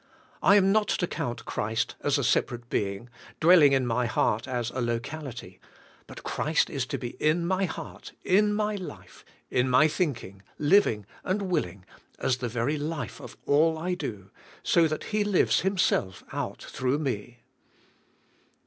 I am not to count Christ as a separate being, dwelling in my heart as a locality, but Christ is to be in my heart, in my life, in my thinking, living and willing, as the very life of all I do, so Christ bringing us to god. 139 that He lives Himself out throug h me.